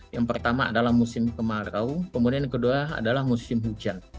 yang pertama adalah musim kemarau kemudian yang kedua adalah musim hujan